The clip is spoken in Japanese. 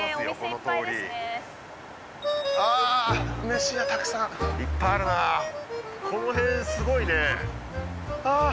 メシ屋たくさんあるいっぱいあるなこの辺すごいねあっ